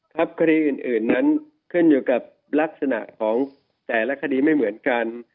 คดีอื่นนั้นขึ้นอยู่กับลักษณะของแต่ละคดีไม่เหมือนกัน